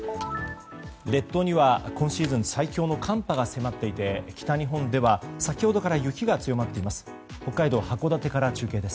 列島には今シーズン最強の寒波が迫っていて北日本では、先ほどから雪が強まっています。